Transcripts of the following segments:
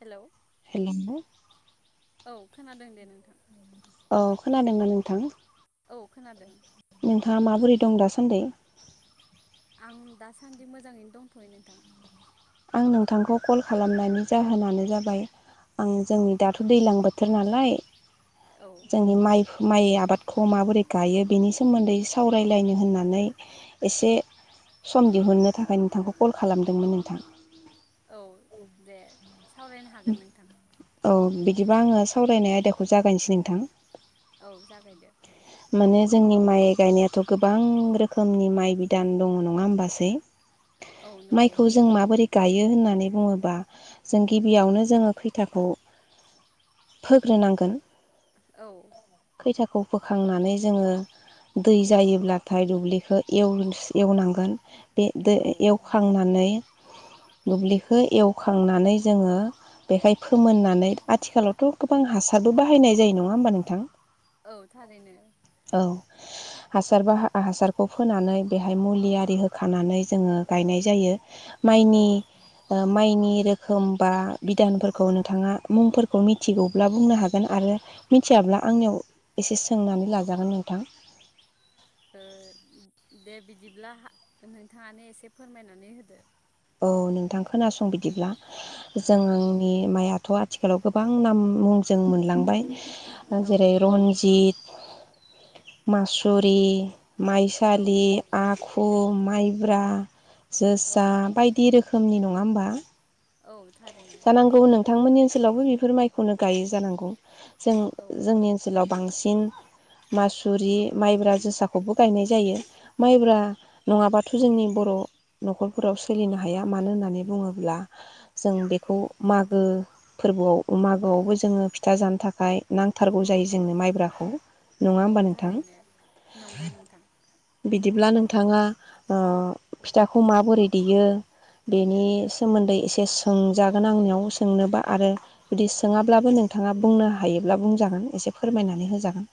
Hello hello औ खोनादों दे नोंथां औ खोनादोंना नोंथां? औ खोनादों। नोंथाङा माबोरै दं दासान्दि? आं दासान्दि मोजाङैनो दंथयो नोंथां। आं नोंथांखौ कल खालामनायनि जाहोनानो जाबाय आं जोंनि दाथ दैलां बोथोर नालाय। औ जोंनि माइ माइ आबादखौ माबोरै गायो बेनि सोमोन्दै सावरायलायनो होननानै इसे सम दिहुननो थाखाय नोंथांखौ कल खालामदोंमोन नोंथां। औ दे सावरायनो हागोन नोंथां। दिबा आङो सावरायनाय आयदाखौ जागायनोसै नोंथां औ जागायदो माने जोंनि माइ गायनायाथ गोबां रोखोमनि माइ बिदान दङ नङा होमबासै? औ नंगौ माइखौ जों माबोरै? गायो होननानै बुङोबा जों गिबियावनो जोङो खैथाखौ फोग्रोनांगोन। औ खैथाखौ फो खांनानै जोङो दै जायोब्लाथाय दुब्लिखौ एवस एवनांगोन बे दै औ एवखांनानै दुब्लिखौ एवखांनानै जोङो बेहाय फोमोननानै आथिखालावथ गोबां हासारबो बाहायनाय जायो नङा ओमबा नोंथां? औ थारैनो। औ हासार बा हा-हासारखौ फोनानै बेहाय मुलि आरि होखानानै जोङो गायनाय जायो। औ ओ माइनि ओ माइनि रोखोम बा बिदानफोरखौ नोंथाङा मुंफोरखौ मिथिगौब्ला बुंनो हागोन आरो मिथियाब्ला आंनियाव इसे सोंनानै लाजागोन नोंथां। ओ दे बिदिब्ला हा नोंथाङानो इसे फोरमायनानै होदो। अ' नोंथां खोनासं बिदिब्ला औ जोंनि माइ थ आथिखालाव गोबां नाम मुं जों मोनलांबाय औ जेरै रनजित [inaudible] मासुरि। औ माइसालि आख खु माइब्रा औ जोसा बायदि रोखोमनि न‌ ङा होमबा औ थारैनो जानांगौ नोंथांमोननि ओनसोलावबो बेफोर माइखौनो गायो जानांगौ। जों औ जोंनि ओनसोलाव बांसिन मासुरि माइब्रा जोसाखौबो गायनाय जायो। माइब्रा नङाबाथ' जोंनि बर नखरफोराव सोलिनो हाया मानो होननानै बुङोब्ला जों बेखौ मागो फोरबोआव मागोआवबो जोङो फिथा जानो थाखाय नांथारगौ जायो जोंनो माइब्राखौ। नङा औ होमबा नोंथां थारैनो नंगौ नोंथां बिदिब्ला नों थाङा ओ फिथाखौ माबोरै देयो बेनि सोमोन्दै एसे सोंजागोन आंनियाव सोंनोबा आरो जुदि सोङाब्लाबो नोंथाङा बुंनो हायोब्ला बुंजागोन एसे फोरमायनानै होजागोन।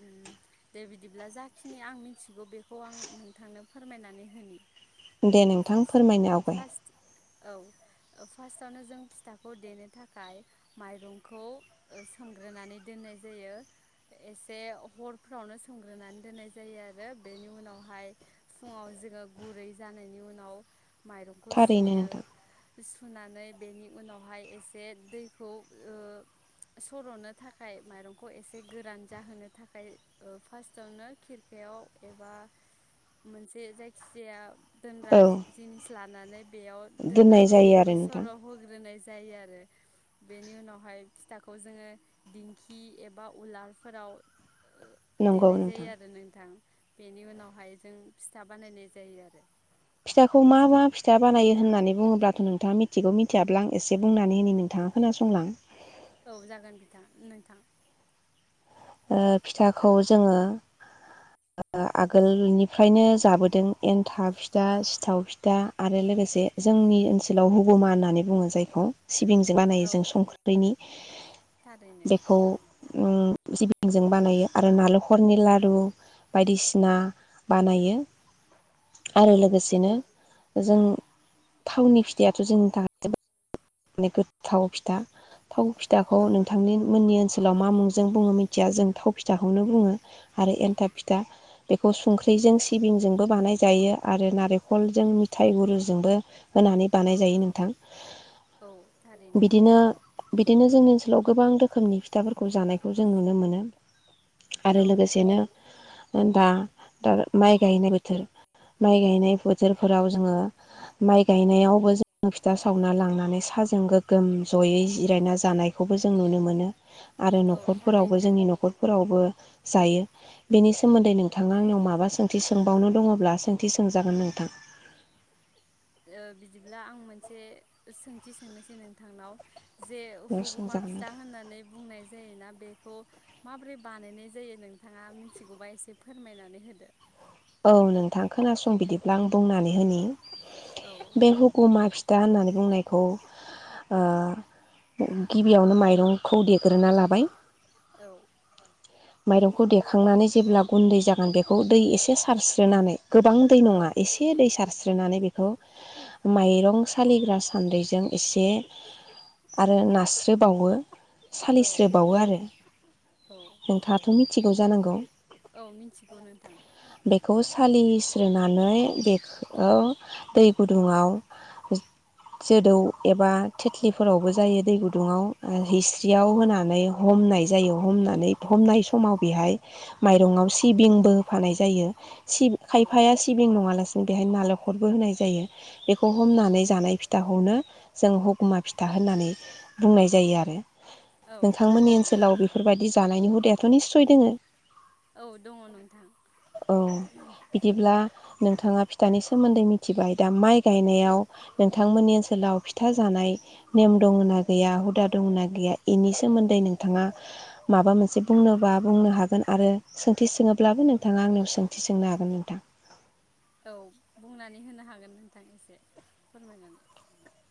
उम दे बिदिब्ला जाखिनि आं मिथिगौ बेखौ आं नोंथांनो फोरमायनानै होनि दे नोंथां फास्ट फोरमायनो आवगाय फास्ट औ फास्टआवनो जों फिथाखौ देनो थाखाय माइरंखौ ओ सोमग्रोनानै दोननाय जायो एसे हरफ्रावनो सोमग्रोनानै दोननाय जायो आरो बेनि उनावहाय फुङाव जोङो गुरै जानायनि उनाव माइरंखो थारैनो सुयो। नोंथां सुनानै बेनि उनावहाय एसे दैखौ ओ सरनो थाखाय माइरंखौ एसे गोरान जाहोनो थाखाय ओ फार्स्टआवनो खिरखायाव एबा मोनसे जायखिजाया दोनग्रा औ जिनिस ला नानै बेयाव दोननाय दोननानै जायो आरो दैखौ नोंथां सर होग्रोनाय जायो आरो बेनि उनावहाय फिथाखौ जोङो दिंखि एबा उलार फोराव ओ नंगौ देनाय नोंथां जायो आरो नोंथां बेनि उनावहाय जों फिथा बानायनाय जायो आरो फिथाखौ मा मा फिथा बानायो होननानै बुङोब्लाथ' नोंथाङा मिथिगौ मिथियाब्ला आं एसे बुंनानै होनि नोंथाङा खोनासंलां औ जागोन बिथां नोंथां ओ फिथाखौ जोङो। ओ आगोलनिफ्रायनो जाबोदों एन्थाब फिथा, सिथाव फिथा आरो लोगोसे जोंनि ओनसोलाव हुगुमा होननानै बुङो जायखौ सिबिंजों बानायो औ जों संख्रैनि थारैनो बेखौ उम जिबिंजों बानायो आरो नालेखरनि लारु। बायदिसिना बानायो। आरो औ लोगोसेनो। जों थावनि फिथायाथ जोंनि थाखाय। माने गोथाव फिथा। थाव फिथाखौ औ नोंथांनि मोननि ओनसोलाव। लाव मा मुंजों बुङो मिथिया जों थाव फिथाखौनो बुङो आरो एन्थाब फिथा बेखौ संख्रैजों सिबिंजोंबो बानाय जायो आरो नारेखलजों मिथाय गुरुजोंबो होनानै बानाय जायो नोंथां। औ थारैनो। बिदिनो बिदिनो जोंनि ओनसोलाव गोबां रोखोमनि फिथाफोरखौ जानायखौ जों नुनो मोनो। आरो औ लोगोसेनो। दा-दा माइ गायनाय बोथोर माइ गायनाय बोथोरफोराव जोङो माइ गायनायावबो जोङो फिथा सावना लांनानै। साजों गोगोम जयै जिरायना जानायखौबो जों नुनो मोनो। आरो औ नखरफोरावबो थारैनो जोंनि नखरफोरावबो। जायो बेनि सोमोन्दै नोंथाङा आंनियाव माबा सोंथि सोंबावनो दङब्ला सोंथि सोंजागोन नोंथां। ओ बिदिब्ला आं मोनसे सोंथि सोंनोसै नोंथांनाव। जे हुगुमा फिथा होननानै बुंनाय जायोना बेखौ। माबोरै बानायनाय जायो नोंथाङा मिथिगौबा एसे फोरमायनानै होदो। औ नोंथां खोनासं बिदिब्ला आं बुंनानै होनि। औ बे हुकुमा फि। दा होननानै बुंनायखौ ओ गिबियावनो माइरंखौ देग्रोना लाबाय। औ। माइरंखौ देखांनानै जेब्ला गुन्दै जागोन बेखौ दै एसे स। सारस्रोनानै। गोबां दै औ नङा एसे दै सारस्रि सस्रोनानै बेखौ माइरं सालिग्रा सान्द्रिजों एसे आरो नास्रोबावो औ सालिस्रोबावो आरो औ नोंथाङाथ मि थिगाव जानांगौ औ मिथिगौ नोंथां। बेखौ सालिस्रोनानै बेखौ दै गुदुङाव जोदौ एबा थेथ्लिफोरावबो जायो दै गुदुङाव जिस्रियाव होनानै हमनाय जायो हमनानै हमनाय समाव बेहाय माइरंआव सिबिंबो होफानाय जायो। सि औ खायफाया सिबिं नङालासे। जों बेहायनो नालेंखरबो होनाय जायो बेखौ हमनानै जानाय फिथाखौनो जों हगुमा फिथा होननानै बुंनाय जायो आरो। औ नोंथांमोननि थारैनो ओनसोलाव बेफोरबादि। जानायनि हुदायाथ निस्सय दोङो। औ दङ नोंथां। औ बिदिब्ला। नोंथाङा फिथानि सोमोन्दै मिथिबाय दा माइ गायनायाव नोंथांमोननि ओनसोलाव फिथा जानाय नेम दङ ना गैया हुदा दङ ना गैया एनि सोमोन्दै नोंथाङा माबा मोनसे बुंनोबा बुंनो हागोन आरो सोंथि सोङोब्लाबो नोंथाङा आंनो। सोंथि सोंनो हागोन नोंथां। औ बुंनानै होनो हागोन नोंथां एसे फोरमायनानै।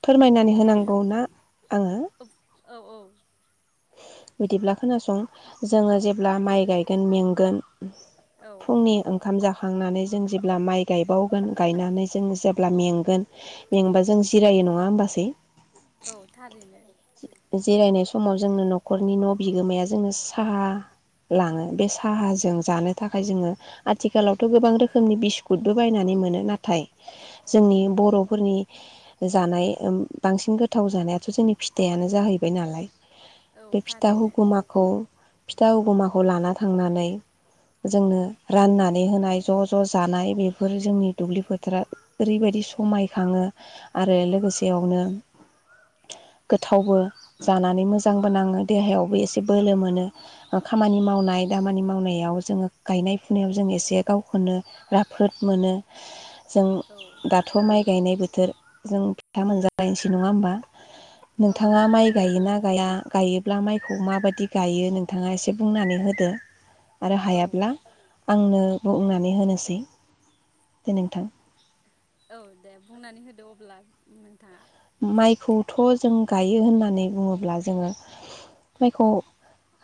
फोरमायनानै होनांगौ ना आङो औ औ बिदिब्ला खोनासं जोङो जेब्ला माइ गायगोन मेंगोन औ फुंनि ओंखाम जा खांनानै जों जेब्ला माइ गायबावगोन गायनानै जों जेब्ला मेंगोन मेंबा जों जिरायो नङा होमबासै औ थारैनो जिरायनाय समाव जोंनो न'खरनि न' बिगोमाया जोङो साहा लाङो बे साहाजों जानो थाखाय जोङो आथिखालावथ' गोबां रोखोमनि बिस्कुटबो बायनानै मोनो नाथाय जोंनि बर'फोरनि जानाय ओम बांसिन गोथाव जानायाथ' जोंनि फिथायानो जाहैबाय नालाय औ बे फिथा थारैनो हुगुमाखौ फिथा हुगुमाखौ लाना थांनानै जोंनो राननानै होनाय ज' ज' जानाय बेफोर जोंनि दुब्लि फोथारा ओरैबायदि समाय खाङो आरो लोगोसेयावनो गोथावबो जानानै नै मोजांबो नाङो देहायावबो एसे बोलो मोनो ओ खामानि मावनाय दामानि मावनायाव जोङो गायनाय फुनायाव जों एसे गावखौनो राफोद मोनो। जों औ दाथ' माइ गायनाय बोथोर जों फिथा मोनजालायनोसै नङा होमबा औ नोंथाङा नंगौ माइ नोंथां गायोना? या गायोब्ला माइखौ माबादि गायो नोंथाङा एसे बुंनानै होदो आरो औ हायाब्ला आंनो बुंनानै होनोसै दे नोंथां औ दे बुंनानै होदो अब्ला नोंथाङा माइखौथ' जों गायो होननानै बुङोब्ला जोङो माइखौ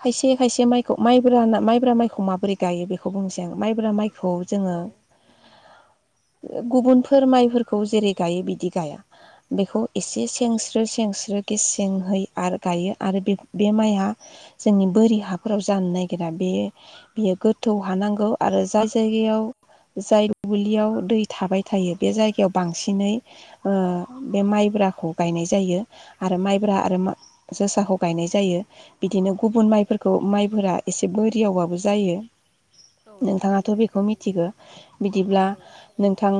खायसे खायसे माइखौ माइब्रा होनना माइब्रा माइखौ माबोरै गायो बेखौ बुंनोसै आं माइब्रा माइ खौ जोङो औ गुबुनफोर माइफोरखौ जेरै- गायो बिदि गाया बेखौ एसे सेंस्रो सेंस्रो गेसेंहै आरो गायो आरो बे माइआ जोंनि बोरि हाफोराव जानो नागिरा बे बेयो गोथौ हानांगौ आरो जाय जायगायाव जाय दुबलियाव दै थाबाय थायो बे जायगायाव बांसिनै ओ बे माइब्राखौ गायनाय जायो आरो माइब्रा आरो जोसाखौ गायनाय जायो बिदिनो गुबुन माइफोरखौ माइफोरा एसे बोरियावबाबो जायो। औ नोंथाङाथ' थारैनो बेखौ मिथिगौ बिदिब्ला औ नोंथां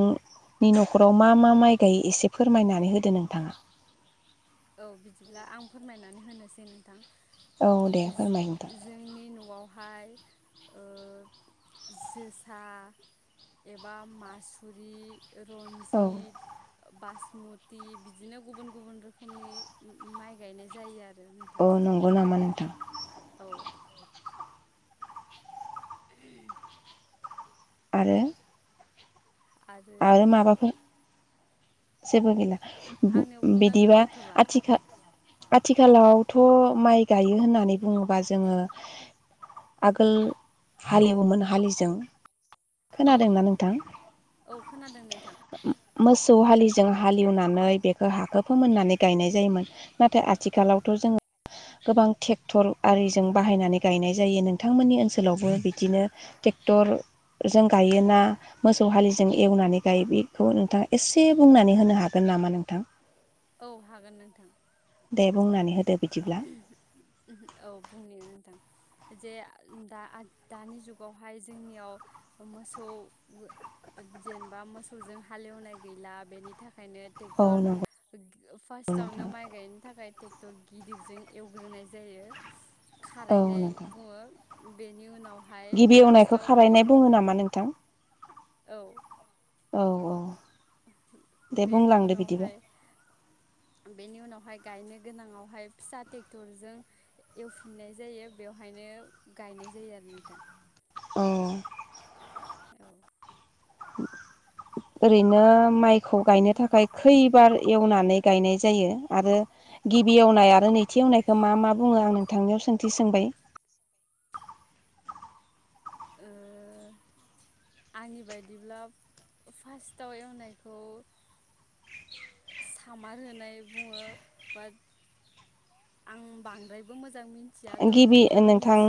नि न'खराव मा मा माइ गायो एसे फोरमायनानै होदो नोंथाङा औ बिदिब्ला आं फोरमायनानै होनोसै नोंथां औ दे फोरमाय नोंथां जोंनि न'आवहाय ओ जोसा एबा मासुरि औ रन्जित बास मुति बिदिनो गुबुन गुबुन रो खोमनि माइ गायनाय जायो आरो नोंथां अ नंगौ नामा नोंथां औ आरो आरो जेबो गैला आंनियाव बुंनांगौ बिदिबा गैथ'ला आथिखा आथिखालावथ माइ गायो होननानै बुङोबा जोङो आगोल हालेवोमोन हालिजों। औ खोनादोंना नोंथां औ खोनादों नोंथां मोस सौवालिस जों हालेवनानै बेखौ हाखो फोमोननानै गायनाय जायोमोन नाथाय आथिखालावथ जों गोबां ट्रेक्टर आरिजों बाहायनानै गायनाय जायो नोंथांमोननि ओनसोलावबो बिदिनो ट्रेक्टरजों गायोना मोसौ हालिजों एवनानै गायो बेखौ नोंथाङा एसे बुंनानै होनो हागोन नामा नोंथां? औ हागोन नोंथां। दे बुंनानै होदो। बिदिब्ला औ बुंनि नोंथां। जे दा दानि जुगावहाय जोंनियाव मोसौ जेनेबा मोसौजों हालेवनाय गैला बेनि थाखा खायनो औ टेक्टर नंगौ फास्टावनो माइ गायनो थाखाय। [unintelligible] गिदिरजों एवग्रोनाय जायो। औ खारायनाय नंगौ बुङो। बेनि उनाव गिबि एवनायखौ खारानाय बुङो नामा नोंथां? औ। अ अ। बेनि उनावहाय बेनि उनावहाय। गायनो गोनाङावहाय फिसा ट्रेक्टरजों एवफिननाय जायो बेवहायनो गायनाय जायो आरो [unintelligible] औ। औ। ओरैनो माइखौ गायनो थाखाय खैबार एवनानै गायनाय जायो आरो गिबि एवनाय आरो नैथि एवनायखौ मा मा बुङो आं नोंथांनियाव सोंथि सोंबाय। ओ आंनि बायदिब्ला फार्स्टआव एवनायखौ सामार होनाय बुङो बाट आं बांद्रायबो मो गिबि नोंथां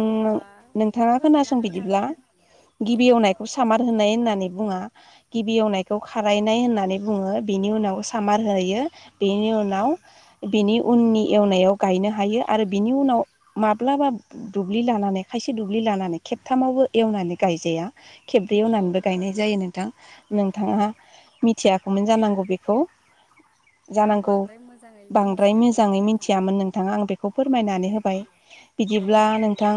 नोंथाङा फोरमायना खोनासं होनो बिदिब्ला हागोन औ गिबि एवनायखौ सामा होनाय होननानै बुङा गिबि एवनायखौ खारायनाय होननानै बुङो बिनि उनाव सामार होयो। बेनि औ उनाव बिनि उननि एवनायाव गायनो हायो आरो बिनि उनाव माब्लाबा दुब्लि लानानै खायसे दुब्लि लानानै खेबथामावबो एवनानै गायजाया खेब्रै औ एवनानैबो गायनाय जायो नों थां नोंथाङा मिथियाखैमोन जानांगौ बेखौ। आं जानांगौ बांद्राय मोजाङै बांद्राय मिथियाखैमोन मोजाङै नोंथां मिथियामोन नोंथाङा आं बेखौ औ फोरमायनानै होबाय। औ बिदिब्ला नोंथां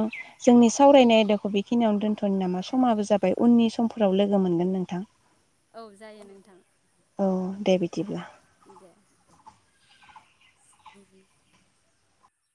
जोंनि सावरायनाय आयदाखौ बेखिनियावनो दोन्थनो नामा समाबो जाबाय उननि समफोराव लोगो मोनगोन नोंथां। औ जायो नोंथां। औ दे बिदिब्ला दे [unintelligible]